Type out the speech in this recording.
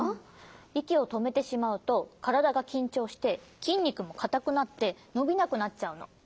いきをとめてしまうとからだがきんちょうしてきんにくもかたくなってのびなくなっちゃうの。